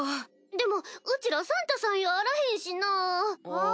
でもうちらサンタさんやあらへんしなぁ。